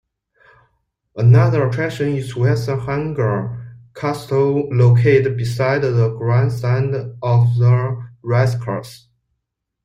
Another attraction is Westenhanger Castle, located beside the grandstand of the racecourse.